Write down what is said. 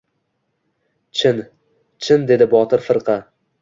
— Chin, chin, — dedi Botir firqa.